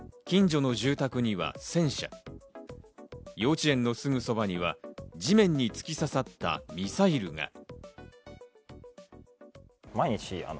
近所の住宅には戦車、幼稚園のすぐそばには地面に突き刺さったミサイルが。